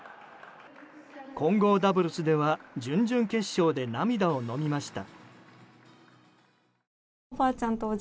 混合ダブルスでは準々決勝で涙をのみました。